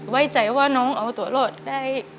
ไว้ใจว่าน้องเอาตัวรอดได้